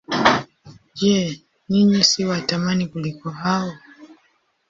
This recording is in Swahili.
Je, ninyi si wa thamani kuliko hao?